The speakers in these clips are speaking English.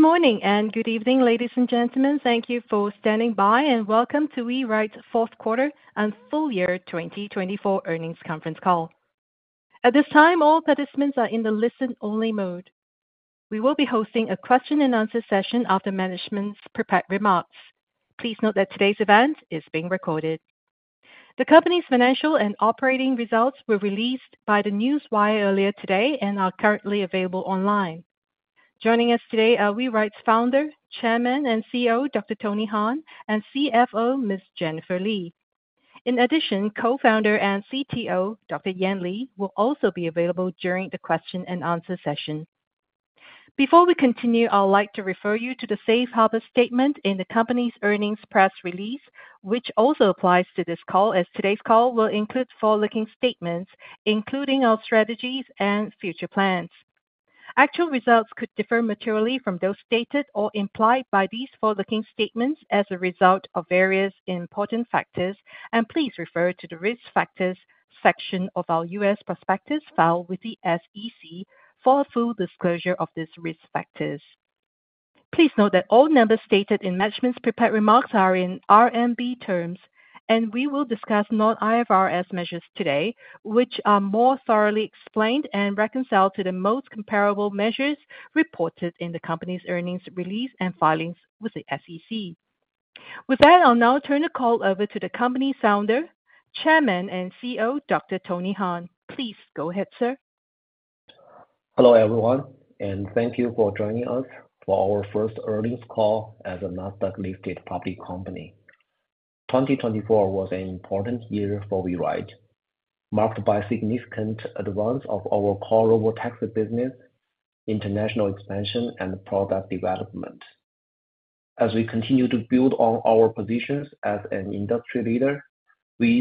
Good morning and good evening, ladies and gentlemen. Thank you for standing by, and welcome to WeRide's Fourth Quarter and Full Year 2024 Earnings Conference Call. At this time, all participants are in the listen-only mode. We will be hosting a question-and-answer session after management's prepared remarks. Please note that today's event is being recorded. The company's financial and operating results were released by the news wire earlier today and are currently available online. Joining us today are WeRide's Founder, Chairman, and CEO, Dr. Tony Han, and CFO, Ms. Jennifer Li. In addition, Co-founder and CTO, Dr. Yan Li, will also be available during the question-and-answer session. Before we continue, I'd like to refer you to the safe harbor statement in the company's earnings press release, which also applies to this call, as today's call will include forward-looking statements, including our strategies and future plans. Actual results could differ materially from those stated or implied by these forward-looking statements as a result of various important factors, and please refer to the risk factors section of our US prospectus filed with the SEC for full disclosure of these risk factors. Please note that all numbers stated in management's prepared remarks are in RMB terms, and we will discuss non-IFRS measures today, which are more thoroughly explained and reconciled to the most comparable measures reported in the company's earnings release and filings with the SEC. With that, I'll now turn the call over to the company's founder, chairman, and CEO, Dr. Tony Han. Please go ahead, sir. Hello everyone, and thank you for joining us for our first earnings call as a Nasdaq-listed public company. 2024 was an important year for WeRide, marked by significant advances of our core Robotaxi business, international expansion, and product development. As we continue to build on our positions as an industry leader, we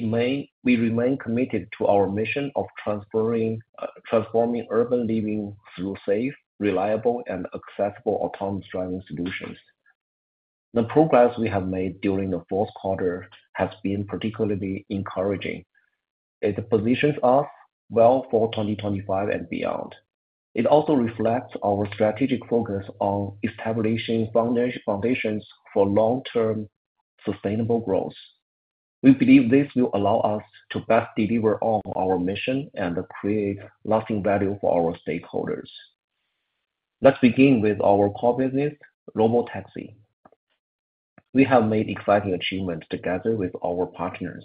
remain committed to our mission of transforming urban living through safe, reliable, and accessible autonomous driving solutions. The progress we have made during the fourth quarter has been particularly encouraging. It positions us well for 2025 and beyond. It also reflects our strategic focus on establishing foundations for long-term sustainable growth. We believe this will allow us to best deliver on our mission and create lasting value for our stakeholders. Let's begin with our core business, Robotaxi. We have made exciting achievements together with our partners.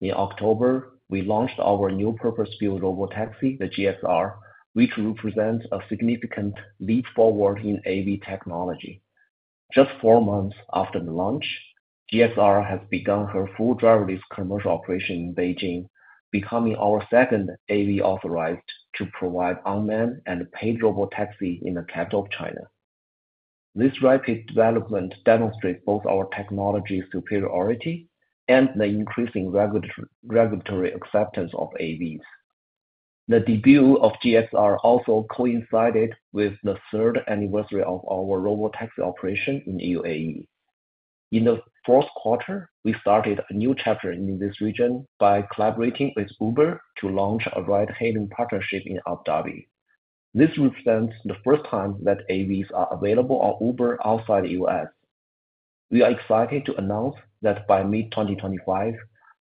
In October, we launched our new purpose-built Robotaxi, the GXR, which represents a significant leap forward in AV technology. Just four months after the launch, GXR has begun her full driverless commercial operation in Beijing, becoming our second AV authorized to provide unmanned and paid Robotaxi in the capital of China. This rapid development demonstrates both our technology superiority and the increasing regulatory acceptance of AVs. The debut of GXR also coincided with the third anniversary of our Robotaxi operation in UAE. In the fourth quarter, we started a new chapter in this region by collaborating with Uber to launch a ride-hailing partnership in Abu Dhabi. This represents the first time that AVs are available on Uber outside the U.S. We are excited to announce that by mid-2025,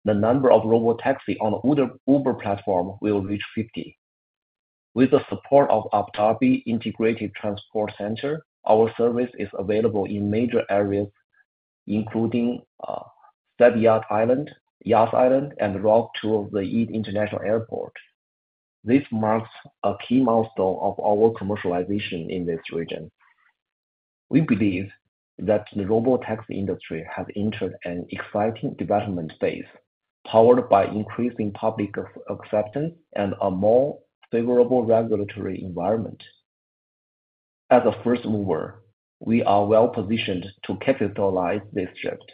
the number of Robotaxi on the Uber platform will reach 50. With the support of Abu Dhabi Integrated Transport Center, our service is available in major areas, including Saadiyat Island, Yas Island, and Zayed International Airport. This marks a key milestone of our commercialization in this region. We believe that the Robotaxi industry has entered an exciting development phase, powered by increasing public acceptance and a more favorable regulatory environment. As a first mover, we are well-positioned to capitalize this shift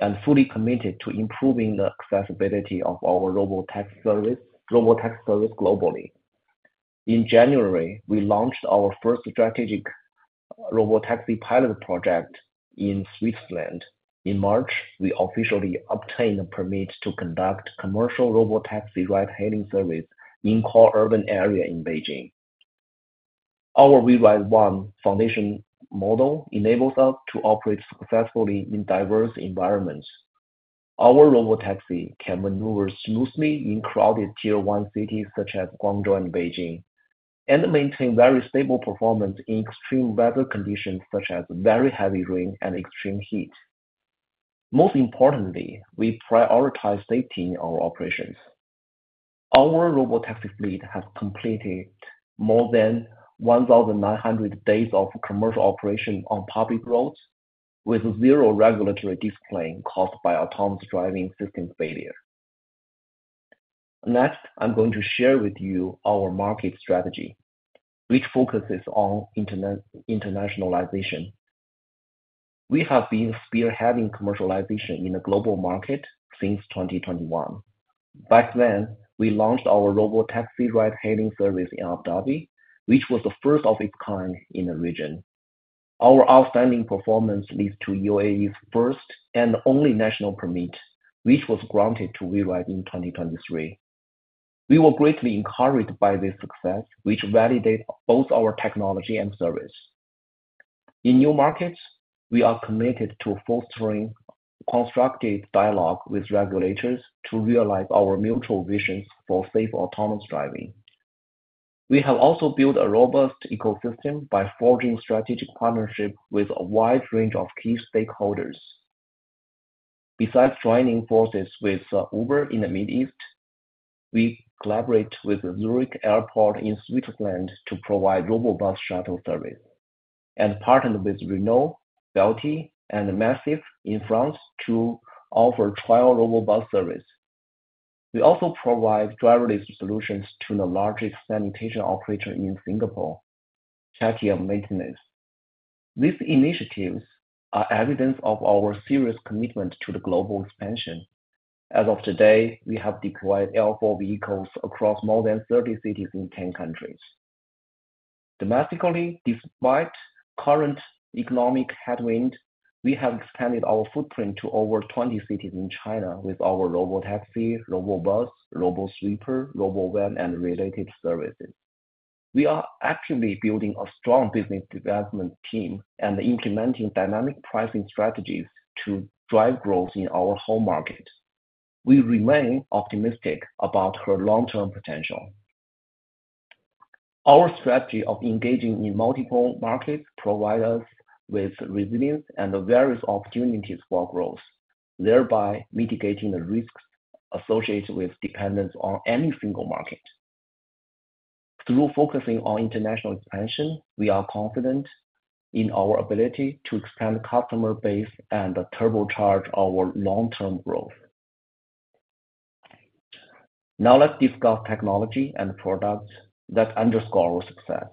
and fully committed to improving the accessibility of our Robotaxi service globally. In January, we launched our first strategic Robotaxi pilot project in Switzerland. In March, we officially obtained a permit to conduct commercial Robotaxi ride-hailing service in core urban areas in Beijing. Our WeRide One foundation model enables us to operate successfully in diverse environments. Our Robotaxi can maneuver smoothly in crowded Tier 1 cities such as Guangdong and Beijing, and maintain very stable performance in extreme weather conditions such as very heavy rain and extreme heat. Most importantly, we prioritize safety in our operations. Our Robotaxi fleet has completed more than 1,900 days of commercial operation on public roads, with zero regulatory discipline caused by autonomous driving system failure. Next, I'm going to share with you our market strategy, which focuses on internationalization. We have been spearheading commercialization in the global market since 2021. Back then, we launched our Robotaxi ride-hailing service in Abu Dhabi, which was the first of its kind in the region. Our outstanding performance leads to UAE's first and only national permit, which was granted to WeRide in 2023. We were greatly encouraged by this success, which validates both our technology and service. In new markets, we are committed to fostering constructive dialogue with regulators to realize our mutual visions for safe autonomous driving. We have also built a robust ecosystem by forging strategic partnerships with a wide range of key stakeholders. Besides joining forces with Uber in the Middle East, we collaborate with Zurich Airport in Switzerland to provide Robobus shuttle service, and partnered with Renault, Beti, and Macif in France to offer trial Robobus service. We also provide driverless solutions to the largest sanitation operator in Singapore, ST Engineering. These initiatives are evidence of our serious commitment to the global expansion. As of today, we have deployed L4 vehicles across more than 30 cities in 10 countries. Domestically, despite current economic headwinds, we have expanded our footprint to over 20 cities in China with our Robotaxi, Robobus, Robosweeper, Robovan, and related services. We are actively building a strong business development team and implementing dynamic pricing strategies to drive growth in our home market. We remain optimistic about her long-term potential. Our strategy of engaging in multiple markets provides us with resilience and various opportunities for growth, thereby mitigating the risks associated with dependence on any single market. Through focusing on international expansion, we are confident in our ability to expand the customer base and turbocharge our long-term growth. Now, let's discuss technology and products that underscore our success.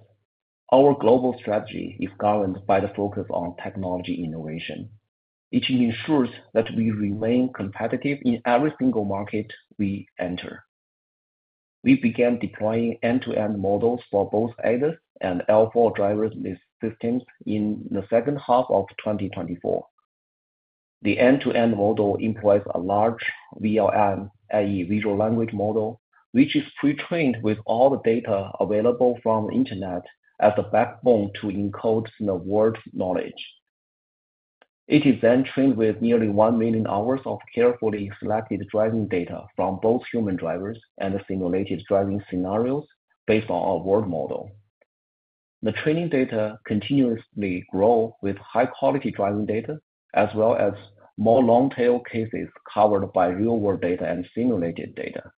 Our global strategy is governed by the focus on technology innovation, which ensures that we remain competitive in every single market we enter. We began deploying end-to-end models for both ADAS and L4 driverless systems in the second half of 2024. The end-to-end model employs a large VLM, i.e., visual-language model, which is pre-trained with all the data available from the internet as the backbone to encode the world's knowledge. It is then trained with nearly 1 million hours of carefully selected driving data from both human drivers and simulated driving scenarios based on our world model. The training data continuously grows with high-quality driving data, as well as more long-tail cases covered by real-world data and simulated data.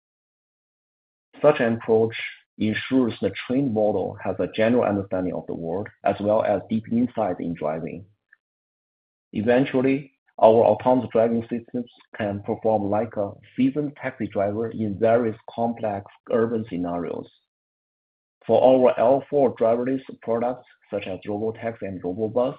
Such an approach ensures the trained model has a general understanding of the world, as well as deep insight in driving. Eventually, our autonomous driving systems can perform like a seasoned taxi driver in various complex urban scenarios. For our L4 driverless products, such as Robotaxi and Robobus,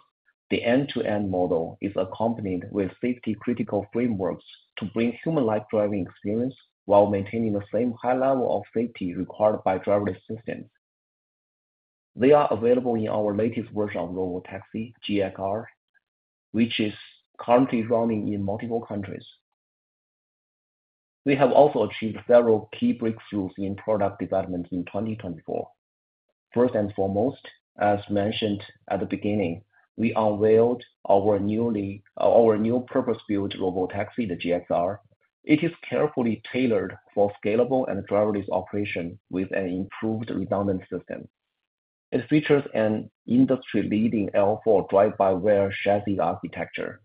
the end-to-end model is accompanied with safety-critical frameworks to bring human-like driving experience while maintaining the same high level of safety required by driverless systems. They are available in our latest version of Robotaxi, GXR, which is currently running in multiple countries. We have also achieved several key breakthroughs in product development in 2024. First and foremost, as mentioned at the beginning, we unveiled our new purpose-built Robotaxi, the GXR. It is carefully tailored for scalable and driverless operation with an improved redundancy system. It features an industry-leading L4 drive-by-wire chassis architecture,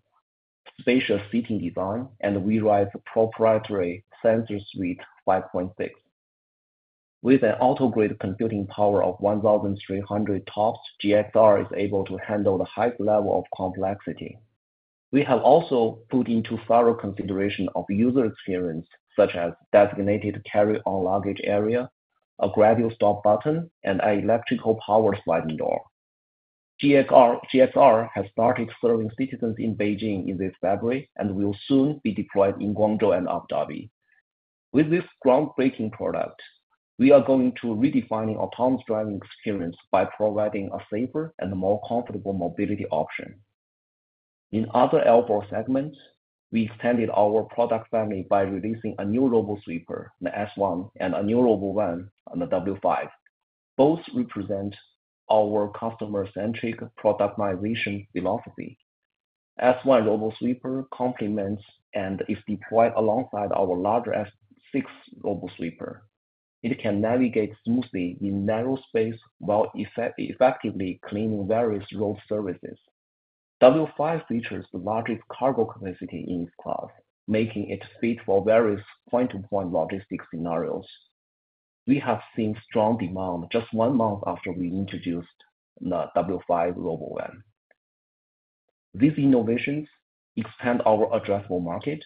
spacious seating design, and WeRide's proprietary sensor suite 5.6. With an auto-grade computing power of 1,300 TOPS, GXR is able to handle the highest level of complexity. We have also put into thorough consideration user experience, such as designated carry-on luggage area, a gradual stop button, and an electrically powered sliding door. GXR has started serving citizens in Beijing in this February and will soon be deployed in Guangdong and Abu Dhabi. With this groundbreaking product, we are going to redefine the autonomous driving experience by providing a safer and more comfortable mobility option. In other L4 segments, we extended our product family by releasing a new Robosweeper, the S1, and a new Robovan, the W5. Both represent our customer-centric productization philosophy. S1 Robosweeper complements and is deployed alongside our larger S6 Robosweeper. It can navigate smoothly in narrow space while effectively cleaning various road surfaces. W5 features the largest cargo capacity in its class, making it fit for various point-to-point logistics scenarios. We have seen strong demand just one month after we introduced the W5 Robovan. These innovations expand our addressable market,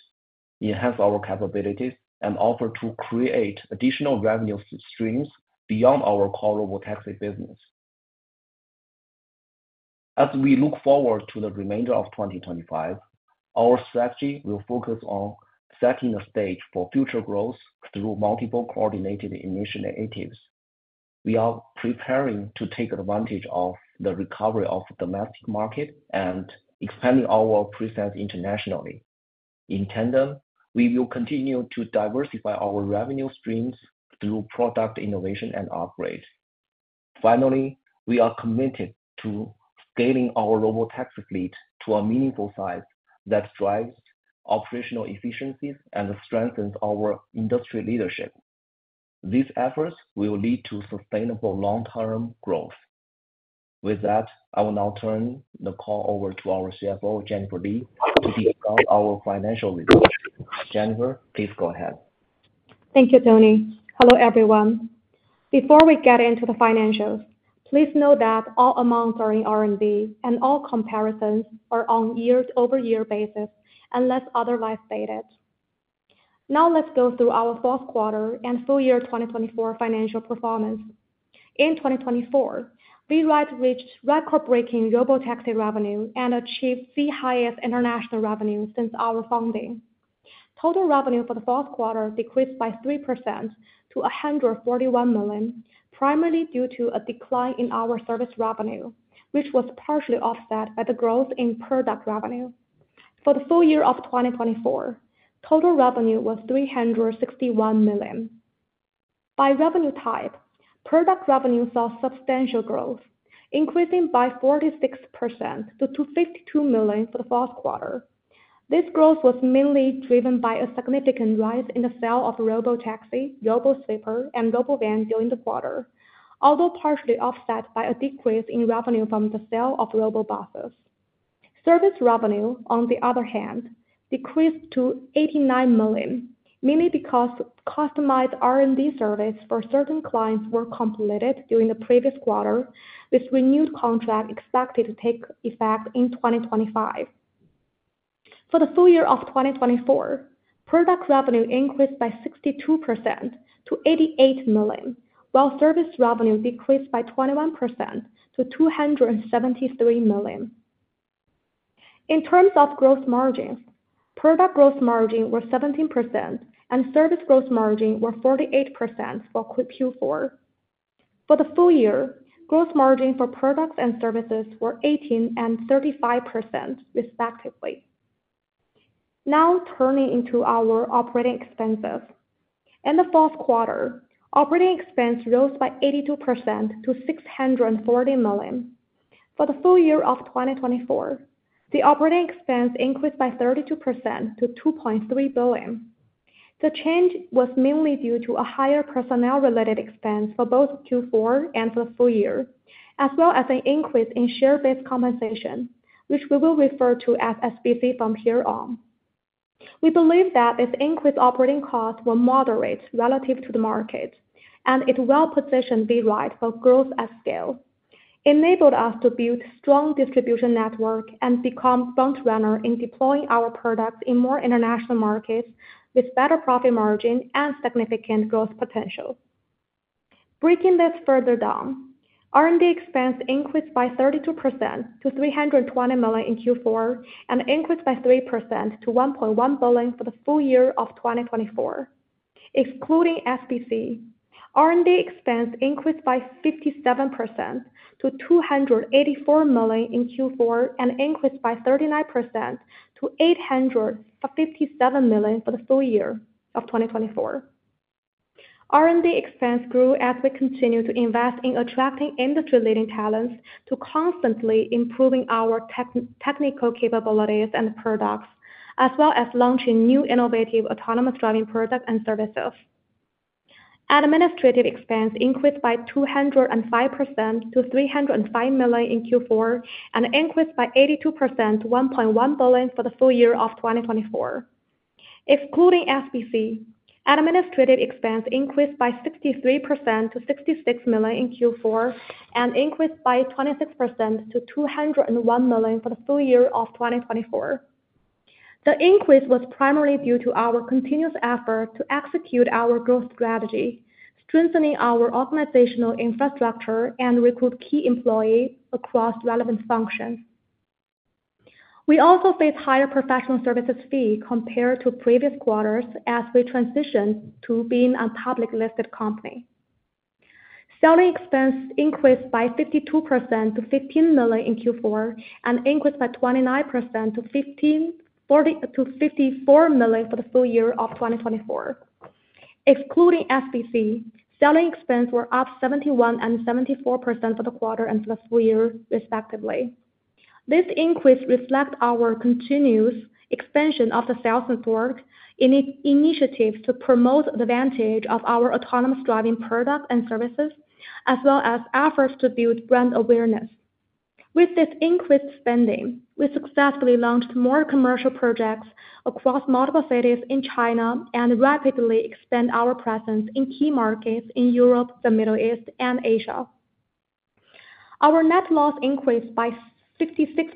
enhance our capabilities, and offer to create additional revenue streams beyond our core Robotaxi business. As we look forward to the remainder of 2025, our strategy will focus on setting the stage for future growth through multiple coordinated initiatives. We are preparing to take advantage of the recovery of the domestic market and expand our presence internationally. In tandem, we will continue to diversify our revenue streams through product innovation and upgrade. Finally, we are committed to scaling our Robotaxi fleet to a meaningful size that drives operational efficiencies and strengthens our industry leadership. These efforts will lead to sustainable long-term growth. With that, I will now turn the call over to our CFO, Jennifer Li, to discuss our financial results. Jennifer, please go ahead. Thank you, Tony. Hello, everyone. Before we get into the financials, please note that all amounts are in RMB, and all comparisons are on year-over-year basis unless otherwise stated. Now, let's go through our fourth quarter and full year 2024 financial performance. In 2024, WeRide reached record-breaking Robotaxi revenue and achieved the highest international revenue since our founding. Total revenue for the fourth quarter decreased by 3% to 141 million, primarily due to a decline in our service revenue, which was partially offset by the growth in product revenue. For the full year of 2024, total revenue was 361 million. By revenue type, product revenue saw substantial growth, increasing by 46% to 252 million for the fourth quarter. This growth was mainly driven by a significant rise in the sale of Robotaxi, Robosweeper, and Robovan during the quarter, although partially offset by a decrease in revenue from the sale of Robobuses. Service revenue, on the other hand, decreased to 89 million, mainly because customized R&D service for certain clients was completed during the previous quarter, with renewed contracts expected to take effect in 2025. For the full year of 2024, product revenue increased by 62% to 88 million, while service revenue decreased by 21% to 273 million. In terms of gross margins, product gross margin was 17%, and service gross margin was 48% for Q4. For the full year, gross margin for products and services was 18% and 35%, respectively. Now, turning into our operating expenses. In the fourth quarter, operating expense rose by 82% to 640 million. For the full year of 2024, the operating expense increased by 32% to 2.3 billion. The change was mainly due to a higher personnel-related expense for both Q4 and for the full year, as well as an increase in share-based compensation, which we will refer to as SBC from here on. We believe that this increased operating cost was moderate relative to the market, and it well-positioned WeRide for growth at scale, enabled us to build a strong distribution network, and became a frontrunner in deploying our products in more international markets with better profit margins and significant growth potential. Breaking this further down, R&D expense increased by 32% to 320 million in Q4 and increased by 3% to 1.1 billion for the full year of 2024. Excluding SBC, R&D expense increased by 57% to 284 million in Q4 and increased by 39% to 857 million for the full year of 2024. R&D expense grew as we continued to invest in attracting industry-leading talents to constantly improve our technical capabilities and products, as well as launching new innovative autonomous driving products and services. Administrative expense increased by 205% to 305 million in Q4 and increased by 82% to 1.1 billion for the full year of 2024. Excluding SBC, administrative expense increased by 63% to 66 million in Q4 and increased by 26% to 201 million for the full year of 2024. The increase was primarily due to our continuous effort to execute our growth strategy, strengthening our organizational infrastructure and recruiting key employees across relevant functions. We also faced higher professional services fees compared to previous quarters as we transitioned to being a public-listed company. Selling expense increased by 52% to 15 million in Q4 and increased by 29% to 54 million for the full year of 2024. Excluding SBC, selling expenses were up 71% and 74% for the quarter and for the full year, respectively. This increase reflects our continuous expansion of the sales network, initiatives to promote the advantage of our autonomous driving products and services, as well as efforts to build brand awareness. With this increased spending, we successfully launched more commercial projects across multiple cities in China and rapidly expanded our presence in key markets in Europe, the Middle East, and Asia. Our net loss increased by 66%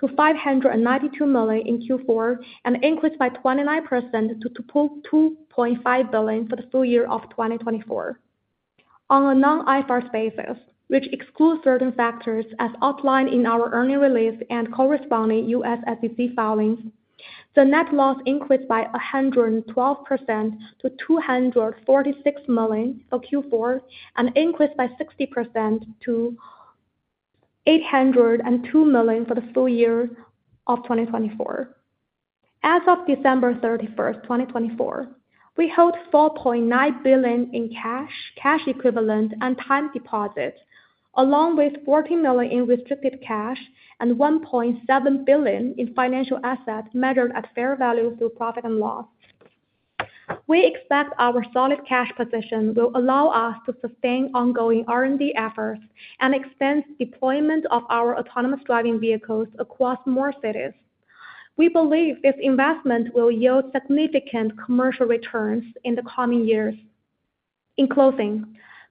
to 592 million in Q4 and increased by 29% to 2.5 billion for the full year of 2024. On a non-IFRS basis, which excludes certain factors as outlined in our earnings release and corresponding US SBC filings, the net loss increased by 112% to 246 million for Q4 and increased by 60% to 802 million for the full year of 2024. As of December 31, 2024, we held 4.9 billion in cash, cash equivalent, and time deposits, along with 14 million in restricted cash and 1.7 billion in financial assets measured at fair value through profit and loss. We expect our solid cash position will allow us to sustain ongoing R&D efforts and expand deployment of our autonomous driving vehicles across more cities. We believe this investment will yield significant commercial returns in the coming years. In closing,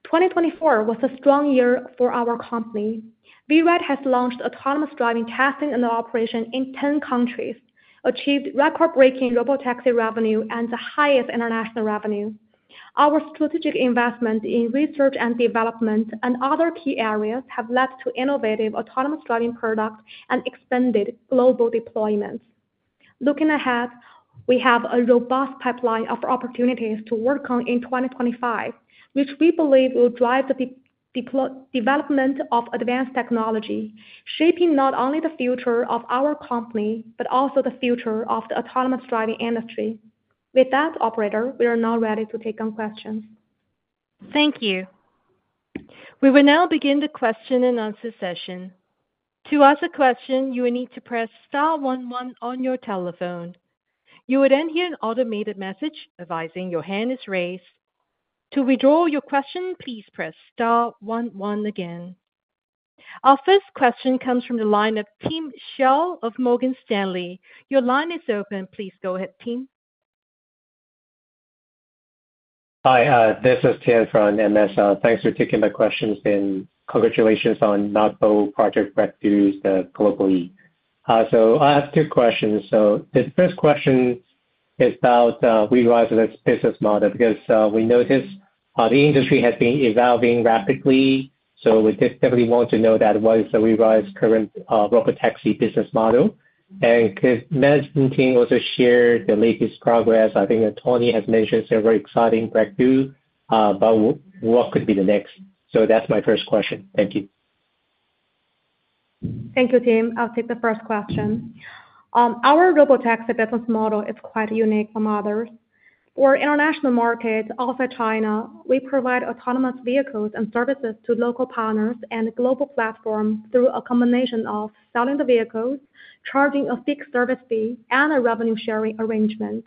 2024 was a strong year for our company. WeRide has launched autonomous driving testing and operation in 10 countries, achieved record-breaking Robotaxi revenue and the highest international revenue. Our strategic investment in research and development and other key areas has led to innovative autonomous driving products and expanded global deployments. Looking ahead, we have a robust pipeline of opportunities to work on in 2025, which we believe will drive the development of advanced technology, shaping not only the future of our company but also the future of the autonomous driving industry. With that, operator, we are now ready to take some questions. Thank you. We will now begin the question and answer session. To ask a question, you will need to press star 11 on your telephone. You will then hear an automated message advising your hand is raised. To withdraw your question, please press star 11 again. Our first question comes from the line of Tim Hsiao of Morgan Stanley. Your line is open. Please go ahead, Tim. Hi, this is Tim from Morgan Stanley. Thanks for taking my questions, and congratulations on not-for-profit breakthroughs globally. I have two questions. The first question is about WeRide's business model because we noticed the industry has been evolving rapidly. We definitely want to know what is WeRide's current Robotaxi business model. Could the management team also share the latest progress? I think Tony has mentioned some very exciting breakthroughs, but what could be the next? That is my first question. Thank you. Thank you, Tim. I'll take the first question. Our Robotaxi business model is quite unique from others. For international markets, also China, we provide autonomous vehicles and services to local partners and global platforms through a combination of selling the vehicles, charging a fixed service fee, and a revenue-sharing arrangement.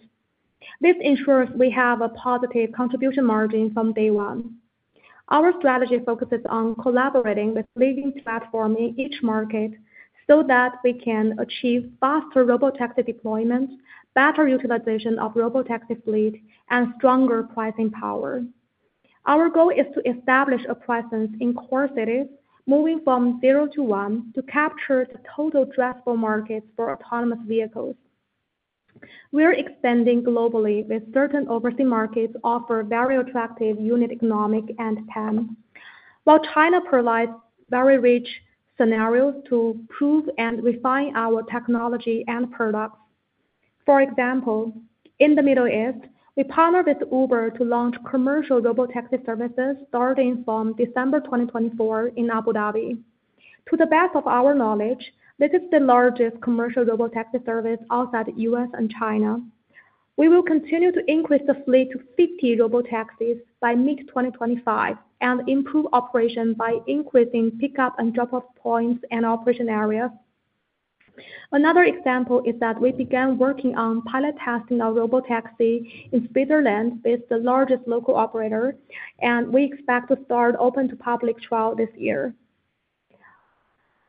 This ensures we have a positive contribution margin from day one. Our strategy focuses on collaborating with leading platforms in each market so that we can achieve faster Robotaxi deployment, better utilization of Robotaxi fleet, and stronger pricing power. Our goal is to establish a presence in core cities, moving from zero to one to capture the total addressable markets for autonomous vehicles. We are expanding globally, with certain overseas markets offering very attractive unit economics and TAM. While China provides very rich scenarios to prove and refine our technology and products. For example, in the Middle East, we partnered with Uber to launch commercial Robotaxi services starting from December 2024 in Abu Dhabi. To the best of our knowledge, this is the largest commercial Robotaxi service outside the U.S. and China. We will continue to increase the fleet to 50 Robotaxis by mid-2025 and improve operations by increasing pickup and drop-off points and operation areas. Another example is that we began working on pilot testing of Robotaxi in Switzerland with the largest local operator, and we expect to start open to public trial this year.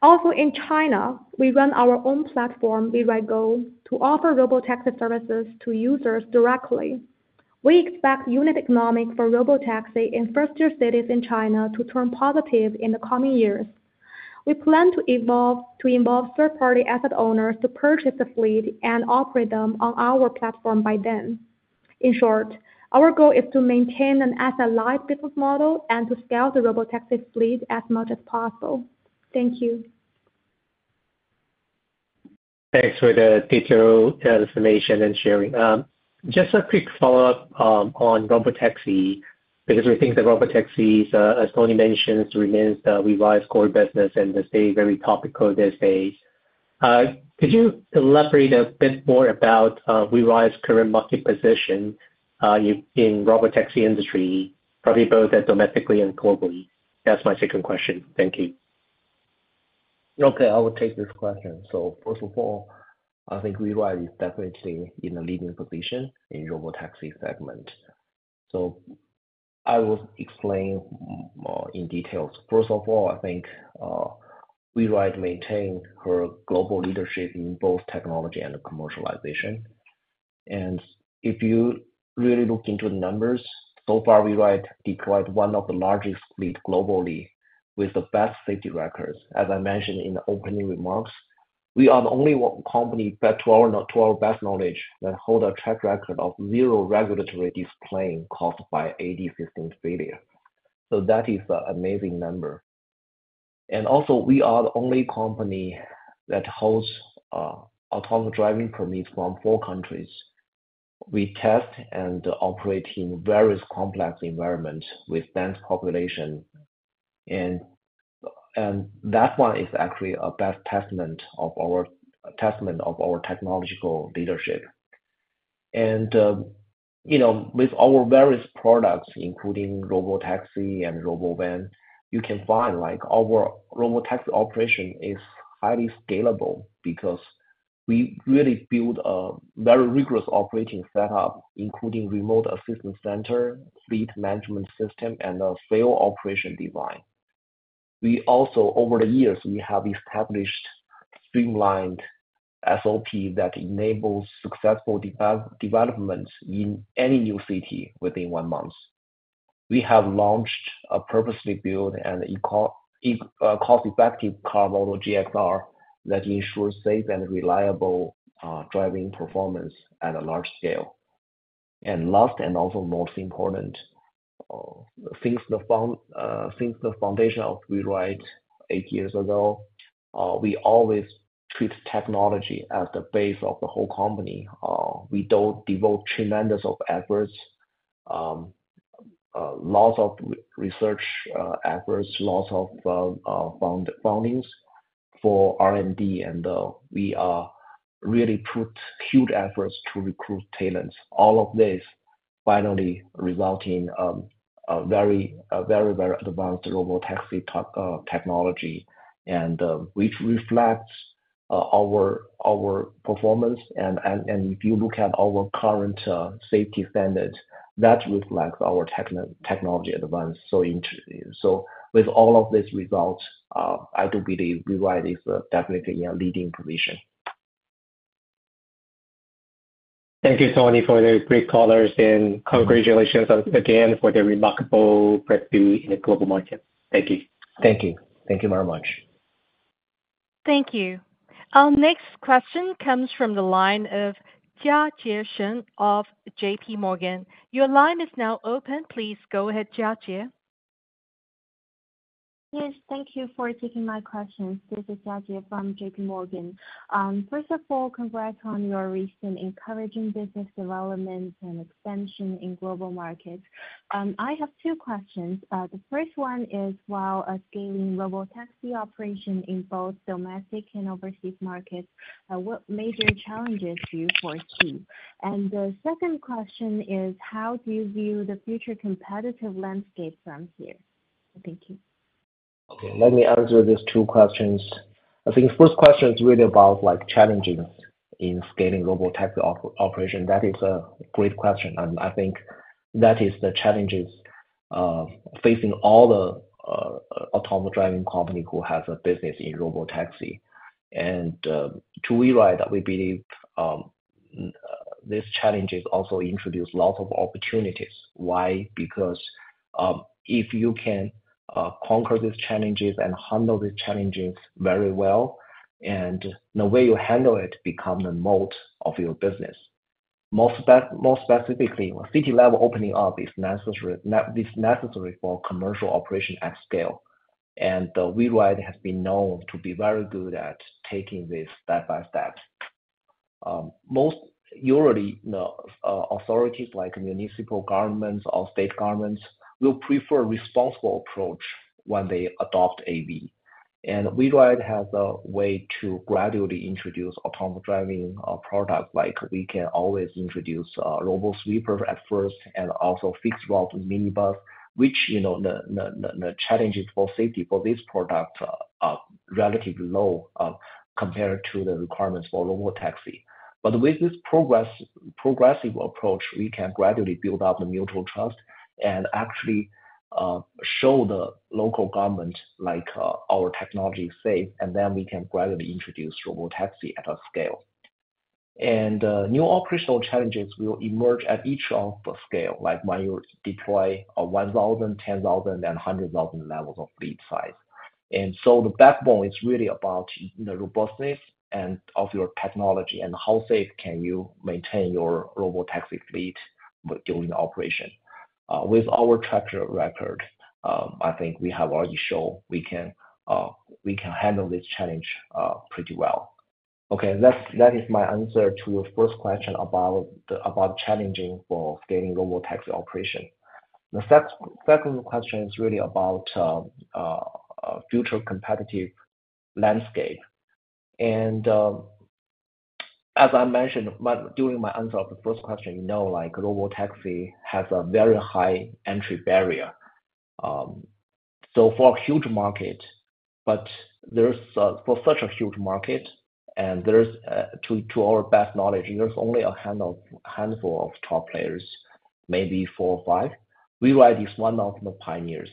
Also, in China, we run our own platform, WeRide Go, to offer Robotaxi services to users directly. We expect unit economics for Robotaxi in first-tier cities in China to turn positive in the coming years. We plan to evolve to involve third-party asset owners to purchase the fleet and operate them on our platform by then. In short, our goal is to maintain an asset-light business model and to scale the Robotaxi fleet as much as possible. Thank you. Thanks for the detailed information and sharing. Just a quick follow-up on Robotaxi because we think the Robotaxis, as Tony mentioned, remain WeRide's core business and they stay very topical these days. Could you elaborate a bit more about WeRide's current market position in the Robotaxi industry, probably both domestically and globally? That's my second question. Thank you. Okay, I will take this question. First of all, I think WeRide is definitely in a leading position in the Robotaxi segment. I will explain in detail. First of all, I think WeRide maintains her global leadership in both technology and commercialization. If you really look into the numbers, so far, WeRide deployed one of the largest fleets globally with the best safety records. As I mentioned in the opening remarks, we are the only company that, to our best knowledge, holds a track record of zero regulatory discipline caused by AD system failure. That is an amazing number. Also, we are the only company that holds autonomous driving permits from four countries. We test and operate in various complex environments with dense populations. That one is actually a testament of our technological leadership. With our various products, including Robotaxi and Robovan, you can find our Robotaxi operation is highly scalable because we really built a very rigorous operating setup, including a remote assistance center, fleet management system, and a failed operation design. Over the years, we have established streamlined SOPs that enable successful development in any new city within one month. We have launched a purposely built and cost-effective car model GXR that ensures safe and reliable driving performance at a large scale. Last, and also most important, since the foundation of WeRide eight years ago, we always treat technology as the base of the whole company. We devote tremendous efforts, lots of research efforts, lots of funding for R&D, and we really put huge efforts to recruit talents. All of this finally resulted in a very, very advanced Robotaxi technology, which reflects our performance. If you look at our current safety standards, that reflects our technology advance. With all of these results, I do believe WeRide is definitely in a leading position. Thank you, Tony, for the great colors. Congratulations again for the remarkable breakthrough in the global markets. Thank you. Thank you. Thank you very much. Thank you. Our next question comes from the line of Jiajie Shen of JPMorgan. Your line is now open. Please go ahead, Jiajie. Yes, thank you for taking my question. This is Jiajie from JPMorgan. First of all, congrats on your recent encouraging business development and expansion in global markets. I have two questions. The first one is, while scaling Robotaxi operations in both domestic and overseas markets, what major challenges do you foresee? The second question is, how do you view the future competitive landscape from here? Thank you. Okay, let me answer these two questions. I think the first question is really about challenges in scaling Robotaxi operations. That is a great question. I think that is the challenges facing all the autonomous driving companies who have a business in Robotaxi. To WeRide, we believe these challenges also introduce lots of opportunities. Why? Because if you can conquer these challenges and handle these challenges very well, the way you handle it becomes the moat of your business. More specifically, city-level opening up is necessary for commercial operations at scale. WeRide has been known to be very good at taking this step by step. Usually, authorities like municipal governments or state governments will prefer a responsible approach when they adopt AV. WeRide has a way to gradually introduce autonomous driving products. We can always introduce robo-sweepers at first and also fixed-route minibuses, which the challenges for safety for this product are relatively low compared to the requirements for Robotaxi. With this progressive approach, we can gradually build up the mutual trust and actually show the local government our technology is safe, and then we can gradually introduce Robotaxi at a scale. New operational challenges will emerge at each of the scales, like when you deploy 1,000, 10,000, and 100,000 levels of fleet size. The backbone is really about the robustness of your technology and how safe you can maintain your Robotaxi fleet during operation. With our track record, I think we have already shown we can handle this challenge pretty well. Okay, that is my answer to your first question about challenges for scaling Robotaxi operations. The second question is really about future competitive landscape. As I mentioned during my answer of the first question, you know Robotaxi has a very high entry barrier. For a huge market, but for such a huge market, and to our best knowledge, there's only a handful of top players, maybe four or five. WeRide is one of the pioneers.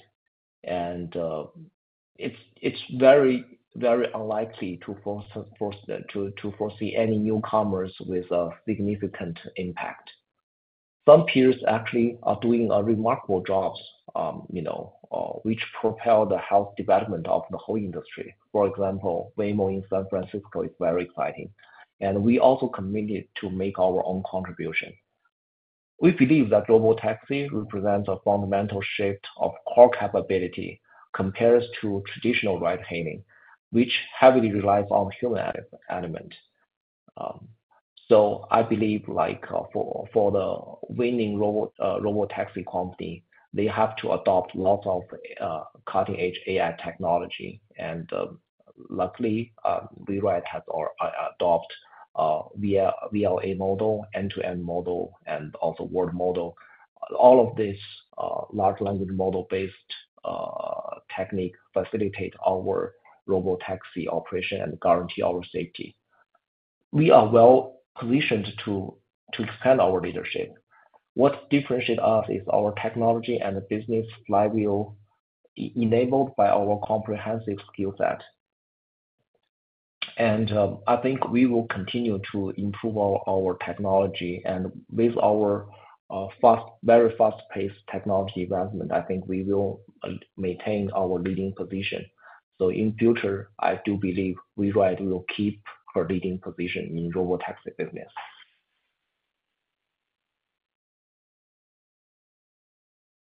It's very, very unlikely to foresee any newcomers with a significant impact. Some peers actually are doing remarkable jobs, which propel the health development of the whole industry. For example, Waymo in San Francisco is very exciting. We are also committed to making our own contribution. We believe that Robotaxi represents a fundamental shift of core capability compared to traditional ride-hailing, which heavily relies on the human element. I believe for the winning Robotaxi company, they have to adopt lots of cutting-edge AI technology. Luckily, WeRide has adopted the VLM model, end-to-end model, and also World Model. All of these large language model-based techniques facilitate our Robotaxi operation and guarantee our safety. We are well-positioned to expand our leadership. What differentiates us is our technology and the business flywheel enabled by our comprehensive skill set. I think we will continue to improve our technology. With our very fast-paced technology advancement, I think we will maintain our leading position. In the future, I do believe WeRide will keep her leading position in the Robotaxi business.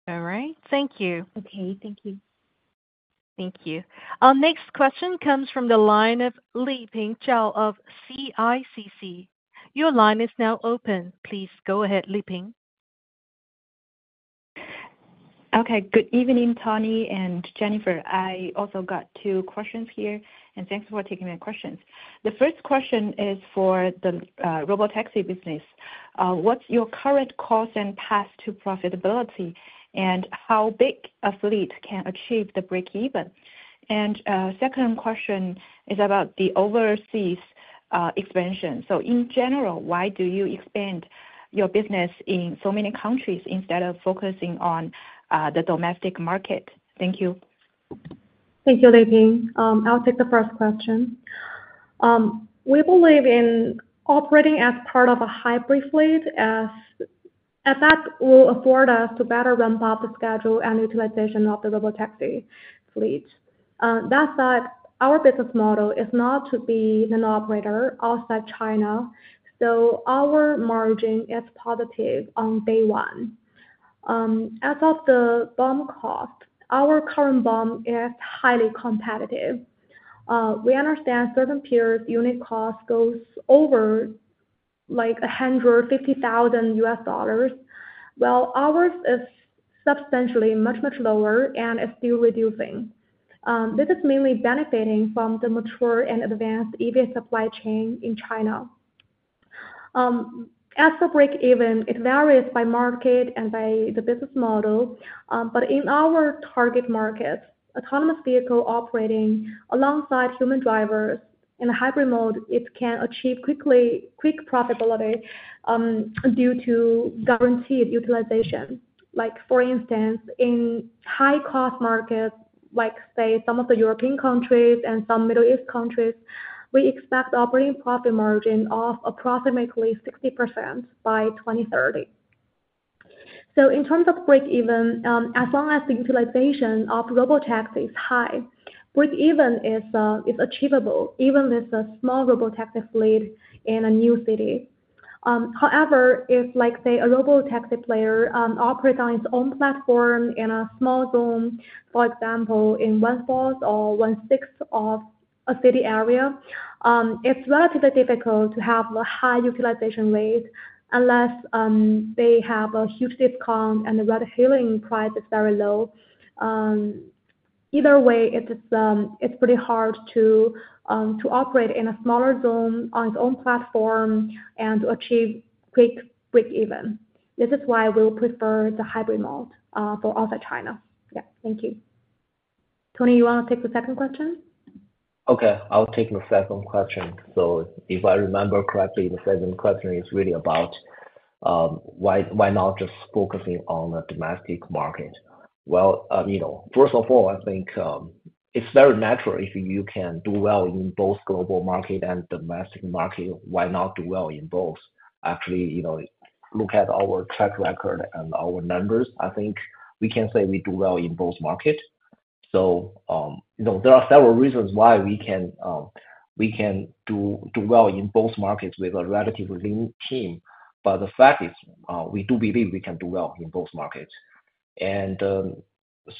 All right. Thank you. Okay, thank you. Thank you. Our next question comes from the line of Liping Zhao of CICC. Your line is now open. Please go ahead, Li Ping. Okay, good evening, Tony and Jennifer. I also got two questions here. Thanks for taking my questions. The first question is for the Robotaxi business. What's your current cost and path to profitability, and how big a fleet can achieve the break-even? The second question is about the overseas expansion. In general, why do you expand your business in so many countries instead of focusing on the domestic market? Thank you. Thank you, Liping. I'll take the first question. We believe in operating as part of a hybrid fleet as that will afford us to better ramp up the schedule and utilization of the Robotaxi fleet. That said, our business model is not to be an operator outside China. Our margin is positive on day one. As of the BOM cost, our current BOM is highly competitive. We understand certain peers' unit cost goes over like $150,000. Ours is substantially much, much lower and is still reducing. This is mainly benefiting from the mature and advanced EV supply chain in China. As for break-even, it varies by market and by the business model. In our target markets, autonomous vehicles operating alongside human drivers in a hybrid mode, it can achieve quick profitability due to guaranteed utilization. For instance, in high-cost markets like, say, some of the European countries and some Middle East countries, we expect operating profit margin of approximately 60% by 2030. In terms of break-even, as long as the utilization of Robotaxi is high, break-even is achievable even with a small Robotaxi fleet in a new city. However, if, say, a Robotaxi player operates on its own platform in a small zone, for example, in one-fourth or one-sixth of a city area, it's relatively difficult to have a high utilization rate unless they have a huge discount and the ride-hailing price is very low. Either way, it's pretty hard to operate in a smaller zone on its own platform and to achieve quick break-even. This is why we'll prefer the hybrid mode for outside China. Yeah, thank you. Tony, you want to take the second question? Okay, I'll take the second question. If I remember correctly, the second question is really about why not just focusing on the domestic market. First of all, I think it's very natural if you can do well in both global market and domestic market, why not do well in both? Actually, look at our track record and our numbers. I think we can say we do well in both markets. There are several reasons why we can do well in both markets with a relatively lean team. The fact is we do believe we can do well in both markets.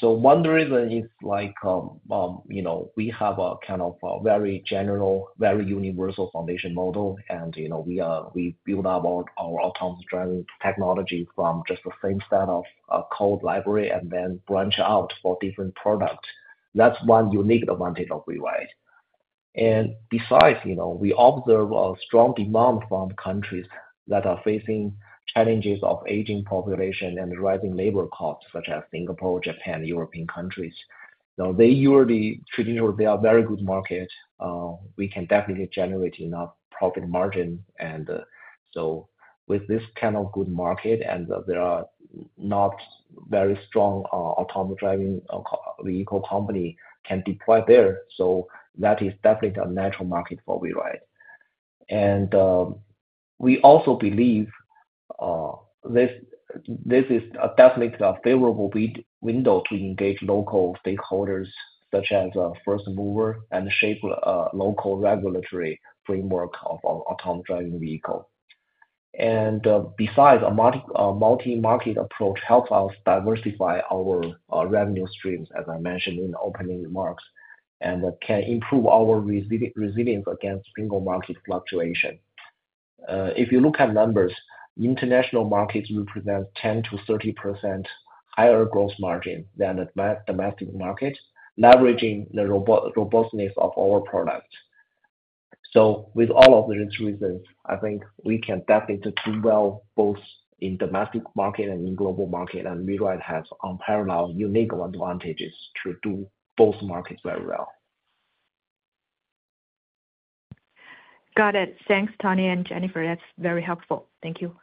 One reason is we have a kind of very general, very universal foundation model. We build up our autonomous driving technology from just the same set of code library and then branch out for different products. That is one unique advantage of WeRide. Besides, we observe a strong demand from countries that are facing challenges of aging population and rising labor costs, such as Singapore, Japan, European countries. Traditionally, they are a very good market. We can definitely generate enough profit margin. With this kind of good market, there are not very strong autonomous driving vehicle companies that can deploy there. That is definitely a natural market for WeRide. We also believe this is definitely a favorable window to engage local stakeholders, such as first movers, and shape a local regulatory framework of autonomous driving vehicles. Besides, a multi-market approach helps us diversify our revenue streams, as I mentioned in the opening remarks, and can improve our resilience against single-market fluctuation. If you look at numbers, international markets represent 10-30% higher gross margin than the domestic market, leveraging the robustness of our product. With all of these reasons, I think we can definitely do well both in the domestic market and in the global market. WeRide has unparalleled unique advantages to do both markets very well. Got it. Thanks, Tony and Jennifer. That's very helpful. Thank you.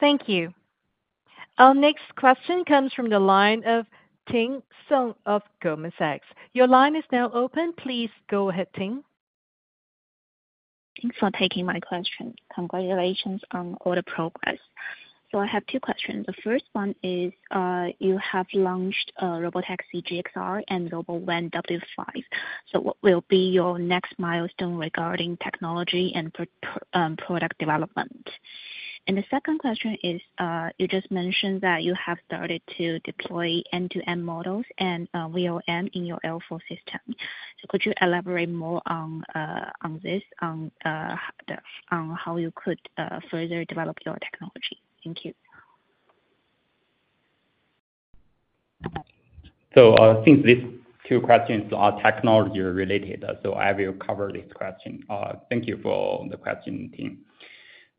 Thank you. Our next question comes from the line of Ting Song of Goldman Sachs.Your line is now open. Please go ahead, Ting. Thanks for taking my question. Congratulations on all the progress. I have two questions. The first one is you have launched Robotaxi GXR and RoboVan W5. What will be your next milestone regarding technology and product development? The second question is you just mentioned that you have started to deploy end-to-end models and VLM in your L4 system. Could you elaborate more on this, on how you could further develop your technology? Thank you. I think these two questions are technology-related. I will cover this question. Thank you for the question,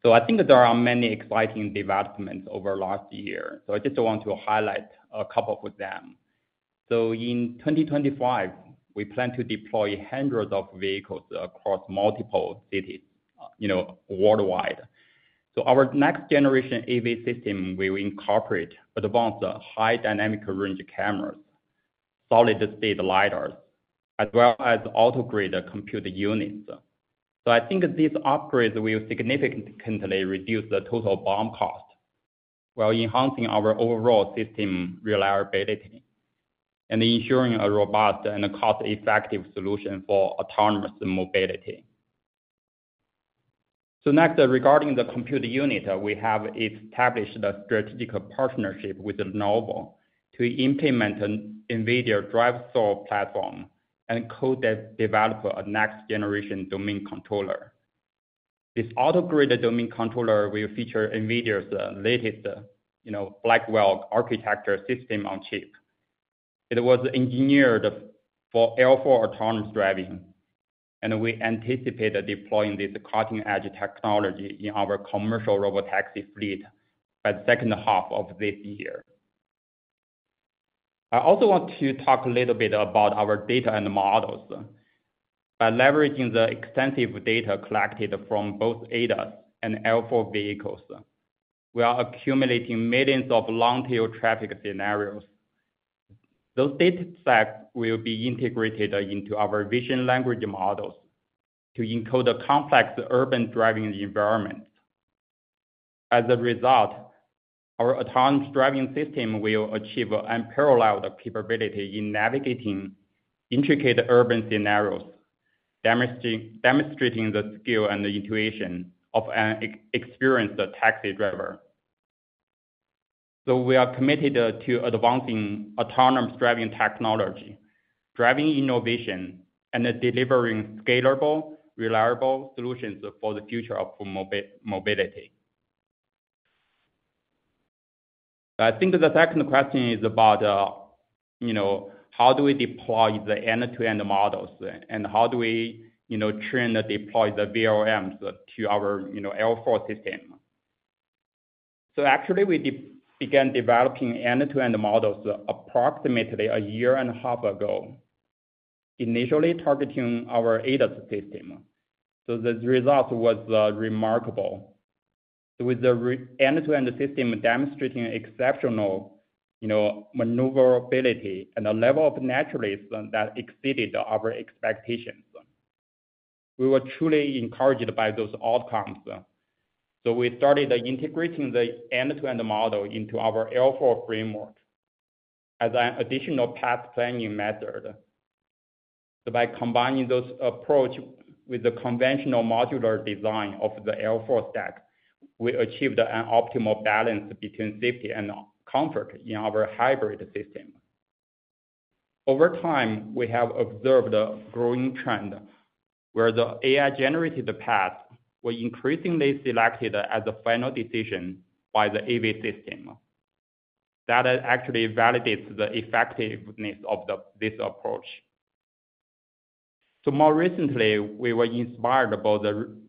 Ting. I think there are many exciting developments over the last year. I just want to highlight a couple of them. In 2025, we plan to deploy hundreds of vehicles across multiple cities worldwide. Our next-generation EV system will incorporate advanced high-dynamic range cameras, solid-state lidars, as well as automotive-grade computer units. I think these upgrades will significantly reduce the total BOM cost while enhancing our overall system reliability and ensuring a robust and cost-effective solution for autonomous mobility. Next, regarding the computer unit, we have established a strategic partnership with Lenovo to implement an NVIDIA Drive Thor platform and co-develop a next-generation domain controller. This automotive-grade domain controller will feature NVIDIA's latest Blackwell architecture system on chip. It was engineered for L4 autonomous driving. We anticipate deploying this cutting-edge technology in our commercial Robotaxi fleet by the second half of this year. I also want to talk a little bit about our data and models. By leveraging the extensive data collected from both ADAS and L4 vehicles, we are accumulating millions of long-tail traffic scenarios. Those data sets will be integrated into our vision language models to encode a complex urban driving environment. As a result, our autonomous driving system will achieve unparalleled capability in navigating intricate urban scenarios, demonstrating the skill and intuition of an experienced taxi driver. We are committed to advancing autonomous driving technology, driving innovation, and delivering scalable, reliable solutions for the future of mobility. I think the second question is about how do we deploy the end-to-end models and how do we train and deploy the VLMs to our L4 system? Actually, we began developing end-to-end models approximately a year and a half ago, initially targeting our ADAS system. The result was remarkable, with the end-to-end system demonstrating exceptional maneuverability and a level of naturalism that exceeded our expectations. We were truly encouraged by those outcomes. We started integrating the end-to-end model into our L4 framework as an additional path planning method. By combining those approaches with the conventional modular design of the L4 stack, we achieved an optimal balance between safety and comfort in our hybrid system. Over time, we have observed a growing trend where the AI-generated paths were increasingly selected as a final decision by the EV system. That actually validates the effectiveness of this approach. More recently, we were inspired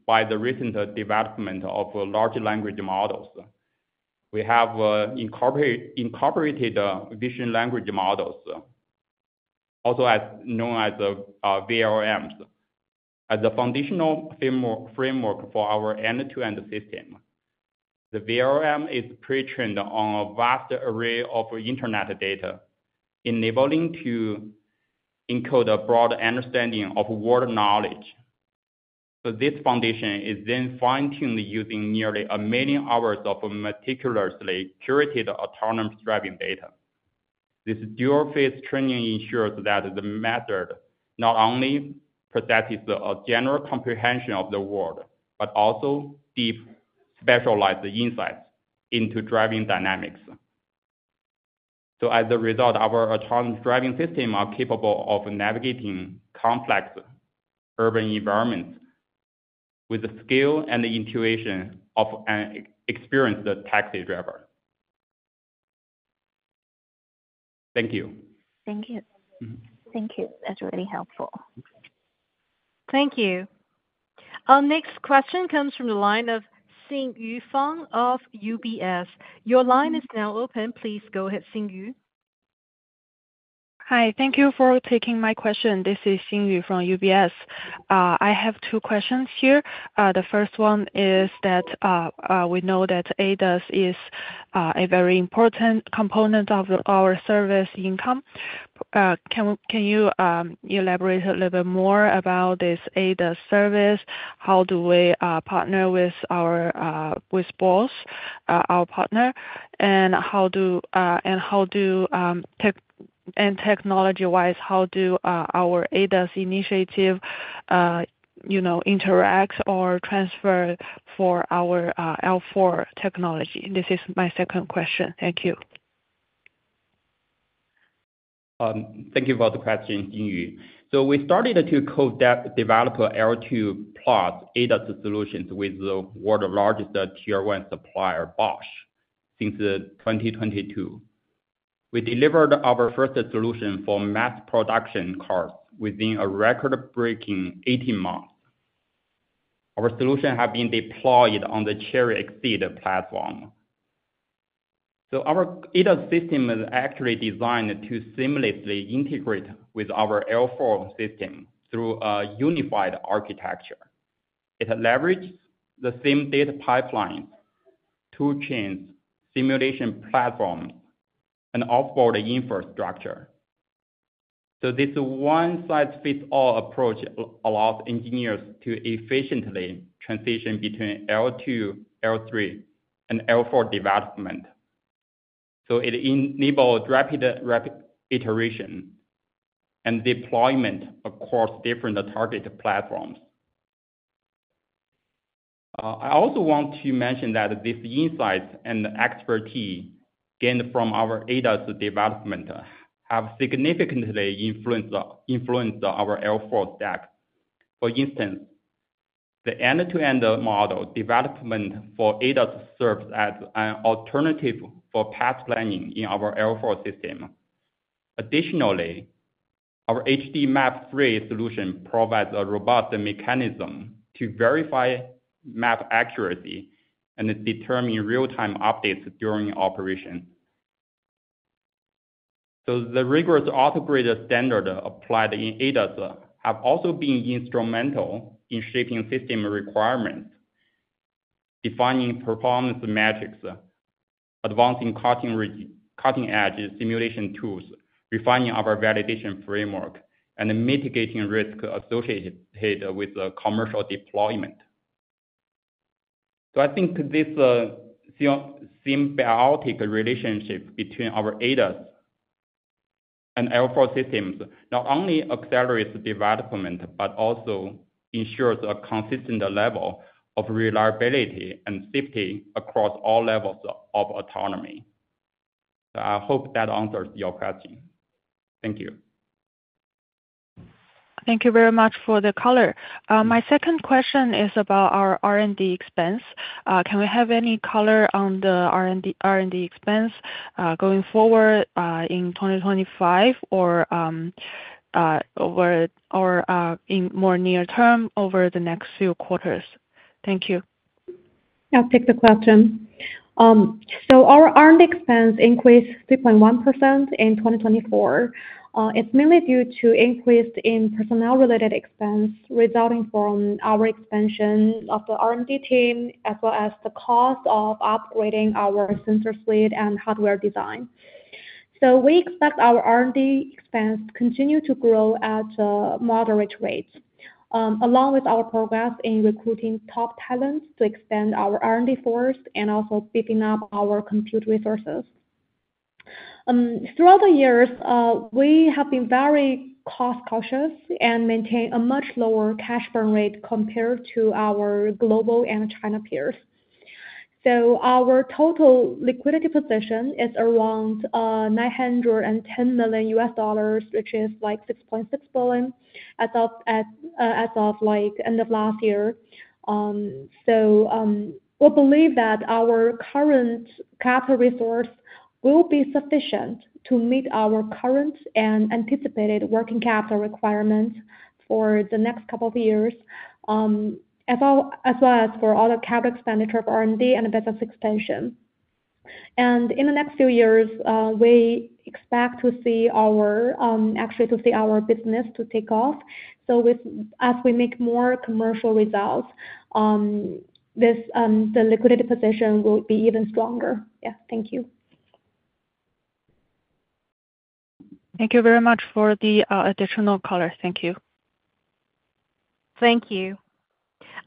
by the recent development of large language models. We have incorporated vision language models, also known as VLMs, as a foundational framework for our end-to-end system. The VLM is pre-trained on a vast array of internet data, enabling us to encode a broad understanding of world knowledge. This foundation is then fine-tuned using nearly a million hours of meticulously curated autonomous driving data. This dual-phase training ensures that the method not only possesses a general comprehension of the world, but also deep specialized insights into driving dynamics. As a result, our autonomous driving systems are capable of navigating complex urban environments with the skill and intuition of an experienced taxi driver. Thank you. Thank you. Thank you. That's really helpful. Thank you. Our next question comes from the line of Xinyu Fang of UBS. Your line is now open. Please go ahead, Xingyu. Hi. Thank you for taking my question. This is Xingyu from UBS. I have two questions here. The first one is that we know that ADAS is a very important component of our service income. Can you elaborate a little bit more about this ADAS service? How do we partner with Bosch, our partner? How do technology-wise, how do our ADAS initiative interact or transfer for our L4 technology? This is my second question. Thank you. Thank you for the question, Xingyu. We started to co-develop L2 plus ADAS solutions with the world's largest tier-one supplier, Bosch, since 2022. We delivered our first solution for mass production cars within a record-breaking 18 months. Our solution has been deployed on the Chery Exeed platform. Our ADAS system is actually designed to seamlessly integrate with our L4 system through a unified architecture. It leverages the same data pipelines, toolchains, simulation platforms, and offboard infrastructure. This one-size-fits-all approach allows engineers to efficiently transition between L2, L3, and L4 development. It enables rapid iteration and deployment across different target platforms. I also want to mention that these insights and expertise gained from our ADAS development have significantly influenced our L4 stack. For instance, the end-to-end model development for ADAS serves as an alternative for path planning in our L4 system. Additionally, our HD Map Free solution provides a robust mechanism to verify map accuracy and determine real-time updates during operation. The rigorous automotive-grade standard applied in ADAS has also been instrumental in shaping system requirements, defining performance metrics, advancing cutting-edge simulation tools, refining our validation framework, and mitigating risks associated with commercial deployment. I think this symbiotic relationship between our ADAS and L4 systems not only accelerates development, but also ensures a consistent level of reliability and safety across all levels of autonomy. I hope that answers your question. Thank you. Thank you very much for the color. My second question is about our R&D expense. Can we have any color on the R&D expense going forward in 2025 or more near-term over the next few quarters? Thank you. I'll take the question. Our R&D expense increased 3.1% in 2024. It's mainly due to an increase in personnel-related expense resulting from our expansion of the R&D team, as well as the cost of upgrading our sensor suite and hardware design. We expect our R&D expense to continue to grow at a moderate rate, along with our progress in recruiting top talent to expand our R&D force and also beefing up our compute resources. Throughout the years, we have been very cost-conscious and maintained a much lower cash burn rate compared to our global and China peers. Our total liquidity position is around $910 million, which is like 6.6 billion as of end of last year. We believe that our current capital resource will be sufficient to meet our current and anticipated working capital requirements for the next couple of years, as well as for all the capital expenditure for R&D and business expansion. In the next few years, we expect to see our actually to see our business take off. As we make more commercial results, the liquidity position will be even stronger. Thank you. Thank you very much for the additional color. Thank you. Thank you.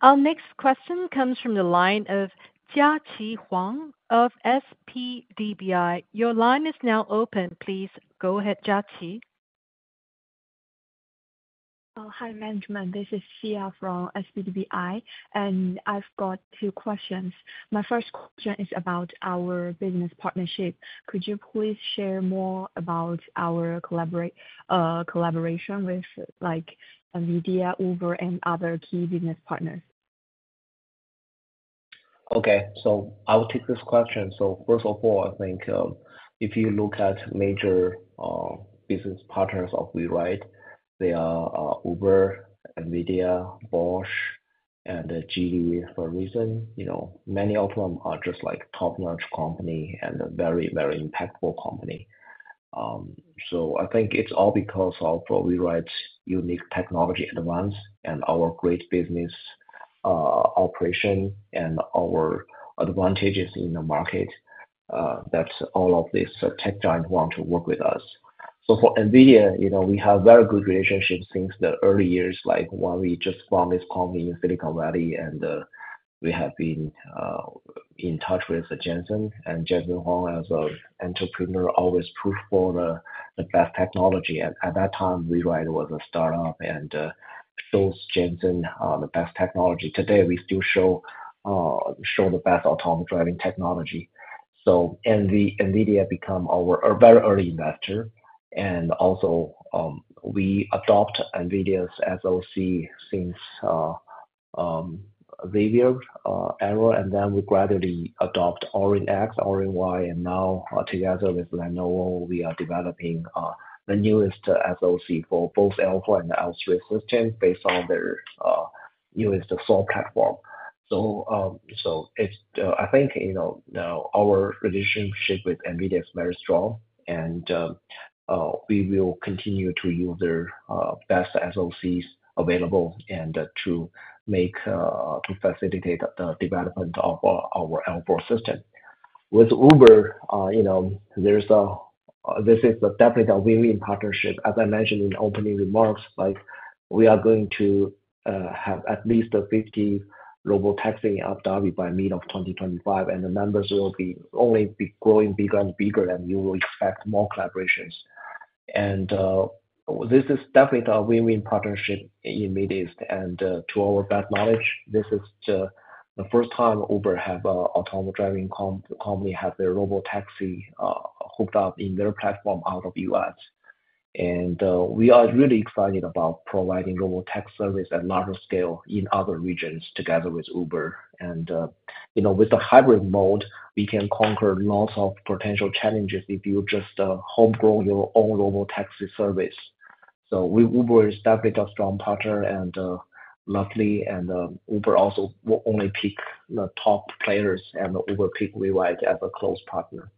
Our next question comes from the line of Jiaqi Huang of SPDBI. Your line is now open. Please go ahead, Jiaqi. Hi, management. This is Xia from SPDBI, and I've got two questions. My first question is about our business partnership. Could you please share more about our collaboration with NVIDIA, Uber, and other key business partners? Okay. I'll take this question. First of all, I think if you look at major business partners of WeRide, they are Uber, NVIDIA, Bosch, and Geely for a reason. Many of them are just top-notch companies and very, very impactful companies. I think it's all because of WeRide's unique technology advance and our great business operation and our advantages in the market that all of these tech giants want to work with us. For NVIDIA, we have a very good relationship since the early years, like when we just found this company in Silicon Valley, and we have been in touch with Jensen. Jensen Huang, as an entrepreneur, always pushed for the best technology. At that time, WeRide was a startup and showed Jensen the best technology. Today, we still show the best autonomous driving technology. NVIDIA became our very early investor. We also adopted NVIDIA's SoC since Xavier's era and then we gradually adopted Orin X, Orin Y, and now together with Lenovo, we are developing the newest SoC for both L4 and L3 systems based on their newest SoC platform. I think our relationship with NVIDIA is very strong, and we will continue to use their best SoCs available to facilitate the development of our L4 system. With Uber, this is definitely a win-win partnership. As I mentioned in opening remarks, we are going to have at least 50 Robotaxi apps by mid-2025, and the numbers will only be growing bigger and bigger, and we will expect more collaborations. This is definitely a win-win partnership in the mid-ist. To our best knowledge, this is the first time Uber has an autonomous driving company that has their Robotaxi hooked up in their platform out of the US. We are really excited about providing Robotaxi service at a larger scale in other regions together with Uber. With the hybrid mode, we can conquer lots of potential challenges if you just homegrow your own Robotaxi service. Uber is definitely a strong partner, and luckily, Uber also will only pick the top players, and Uber picks WeRide as a close partner.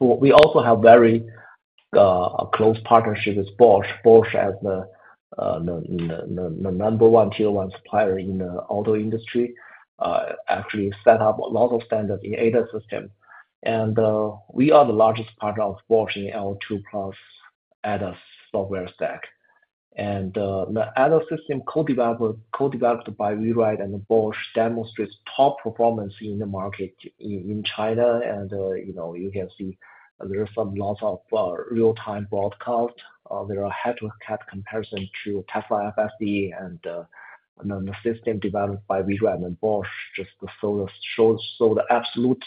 We also have a very close partnership with Bosch. Bosch is the number one tier-one supplier in the auto industry. Actually, we set up a lot of standards in ADAS systems. We are the largest partner of Bosch in L2 plus ADAS software stack. The ADAS system co-developed by WeRide and Bosch demonstrates top performance in the market in China. You can see there are lots of real-time broadcasts. There are head-to-head comparisons to Tesla FSD and the system developed by WeRide and Bosch. Just the absolute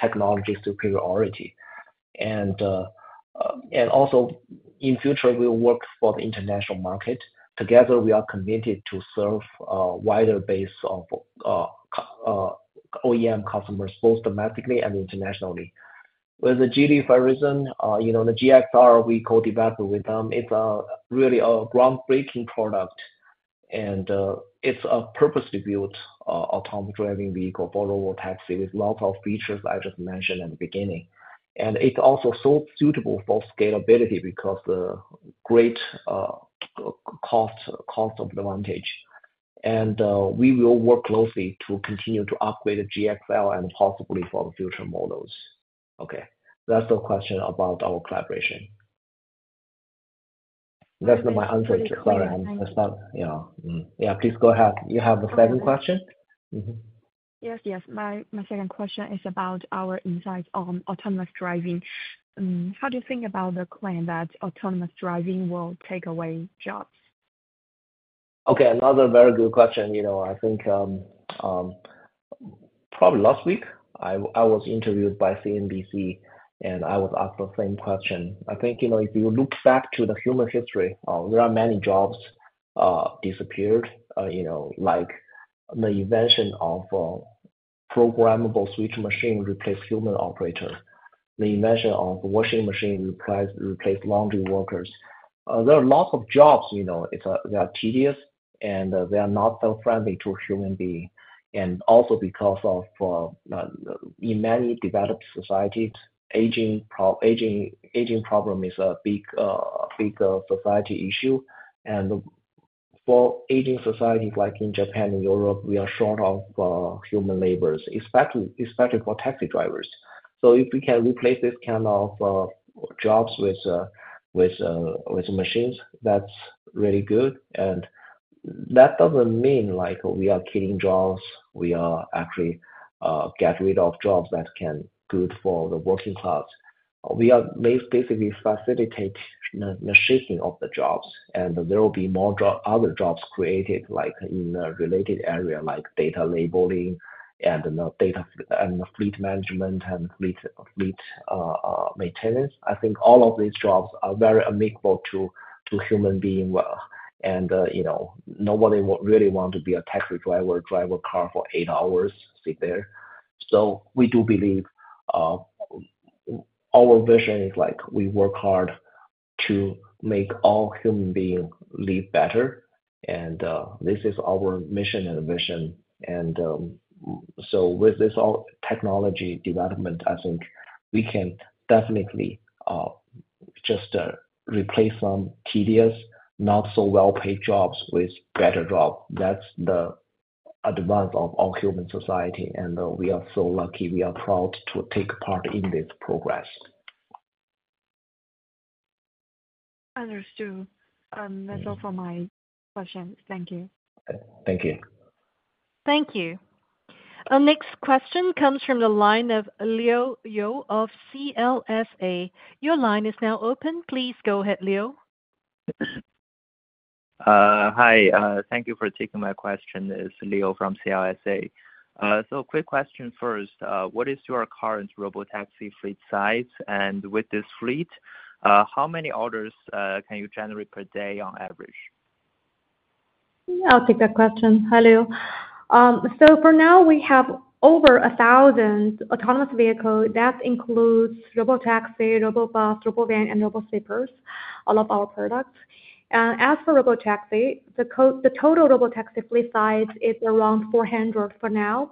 technology superiority. In the future, we will work for the international market. Together, we are committed to serve a wider base of OEM customers, both domestically and internationally. With Geely Farizon, the GXR we co-developed with them, it's really a groundbreaking product. It's a purposely built autonomous driving vehicle for Robotaxi with lots of features I just mentioned at the beginning. It's also so suitable for scalability because of the great cost advantage. We will work closely to continue to upgrade the GXR and possibly for the future models. Okay. That's the question about our collaboration. That's my answer. Sorry. Yeah. Yeah. Please go ahead. You have a second question? Yes. Yes. My second question is about our insights on autonomous driving. How do you think about the claim that autonomous driving will take away jobs? Okay. Another very good question. I think probably last week, I was interviewed by CNBC, and I was asked the same question. I think if you look back to the human history, there are many jobs that disappeared, like the invention of a programmable switch machine replacing human operators, the invention of a washing machine replacing laundry workers. There are lots of jobs. They are tedious, and they are not so friendly to human beings. Also because of, in many developed societies, aging problem is a big society issue. For aging societies like in Japan and Europe, we are short of human laborers, especially for taxi drivers. If we can replace this kind of jobs with machines, that's really good. That doesn't mean we are killing jobs. We are actually getting rid of jobs that can be good for the working class. We basically facilitate the shifting of the jobs, and there will be more other jobs created in the related area, like data labeling and fleet management and fleet maintenance. I think all of these jobs are very amicable to human beings. Nobody would really want to be a taxi driver, drive a car for eight hours, sit there. We do believe our vision is we work hard to make all human beings live better. This is our mission and vision. With this technology development, I think we can definitely just replace some tedious, not-so-well-paid jobs with better jobs. That is the advance of all human society. We are so lucky. We are proud to take part in this progress. Understood. That is all for my questions. Thank you. Thank you. Thank you. Our next question comes from the line of Leo You of CLSA. Your line is now open. Please go ahead, Leo. Hi. Thank you for taking my question. It's Leo from CLSA. Quick question first. What is your current Robotaxi fleet size? With this fleet, how many orders can you generate per day on average? Yeah. I'll take that question. Hi, Leo. For now, we have over 1,000 autonomous vehicles. That includes Robotaxi, Robobus, Robovan, and Robosweepers, all of our products. As for Robotaxi, the total Robotaxi fleet size is around 400 for now,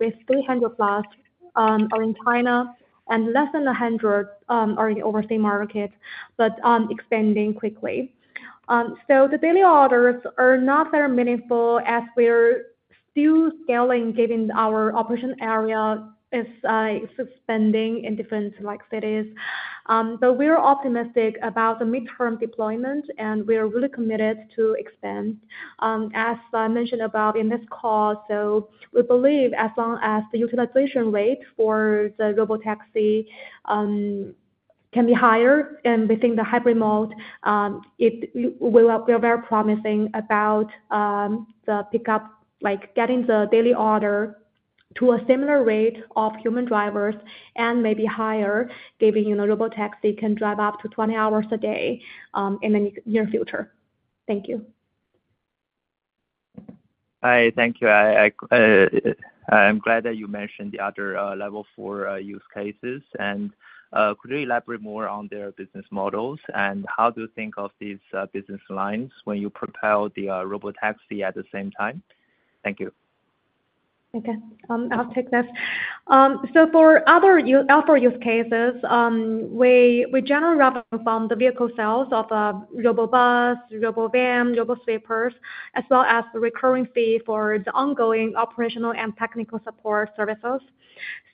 with 300 plus in China and less than 100 already in overseas markets, but expanding quickly. The daily orders are not very meaningful as we're still scaling, given our operation area is expanding in different cities. We are optimistic about the midterm deployment, and we are really committed to expand. As I mentioned in this call, we believe as long as the utilization rate for the Robotaxi can be higher and within the hybrid mode, we are very promising about getting the daily order to a similar rate of human drivers and maybe higher, given Robotaxi can drive up to 20 hours a day in the near future. Thank you. Hi. Thank you. I'm glad that you mentioned the other level four use cases. Could you elaborate more on their business models? How do you think of these business lines when you propel the Robotaxi at the same time? Thank you. Okay. I'll take this. For other use cases, we generally rather inform the vehicle sales of Robobus, Robovan, Robosweepers, as well as the recurring fee for the ongoing operational and technical support services.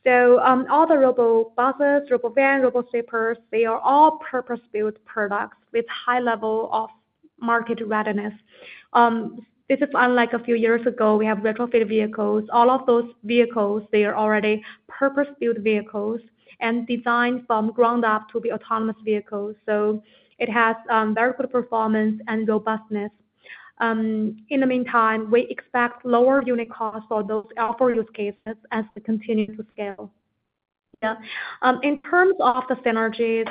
All the Robobuses, Robovans, Robosweepers, they are all purpose-built products with high level of market readiness. This is unlike a few years ago. We have retrofit vehicles. All of those vehicles, they are already purpose-built vehicles and designed from ground up to be autonomous vehicles. It has very good performance and robustness. In the meantime, we expect lower unit costs for those L4 use cases as we continue to scale. Yeah. In terms of the synergies,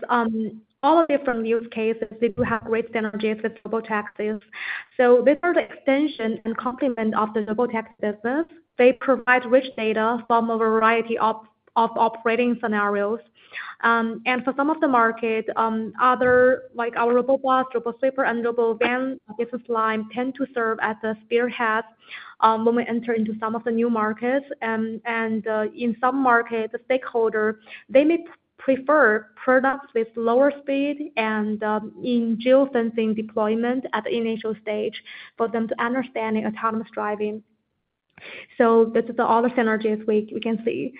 all of the different use cases, they do have great synergies with Robotaxis. These are the extension and complement of the Robotaxi business. They provide rich data from a variety of operating scenarios. For some of the market, our Robobus, Robosweeper, and Robovan business line tend to serve as the spearheads when we enter into some of the new markets. In some markets, the stakeholders, they may prefer products with lower speed and in geo-fencing deployment at the initial stage for them to understand the autonomous driving. This is the other synergies we can see.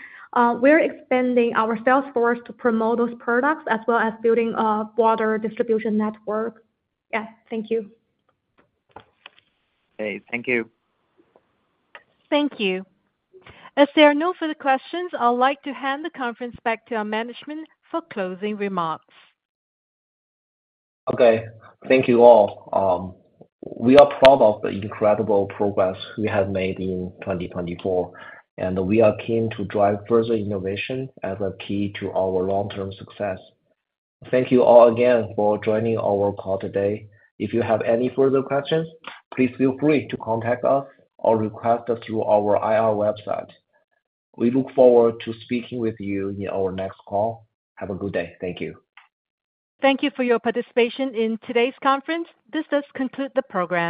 We are expanding our sales force to promote those products as well as building a broader distribution network. Yeah. Thank you. Okay. Thank you. Thank you. If there are no further questions, I'd like to hand the conference back to our management for closing remarks. Okay. Thank you all. We are proud of the incredible progress we have made in 2024, and we are keen to drive further innovation as a key to our long-term success. Thank you all again for joining our call today. If you have any further questions, please feel free to contact us or request us through our IR website. We look forward to speaking with you in our next call. Have a good day. Thank you. Thank you for your participation in today's conference. This does conclude the program.